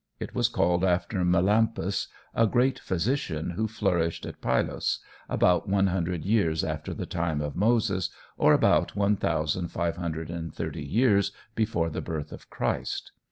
It was called after Melampus, a great physician, who flourished at Pylos, about one hundred years after the time of Moses, or about one thousand five hundred and thirty years before the birth of Christ.